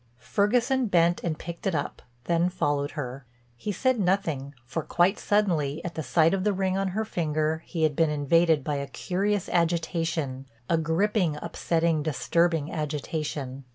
Ferguson bent and picked it up, then followed her. He said nothing for quite suddenly, at the sight of the ring on her finger, he had been invaded by a curious agitation, a gripping, upsetting, disturbing agitation.